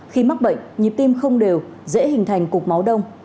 khi mắc bệnh nhịp tim không đều dễ hình thành cục máu đông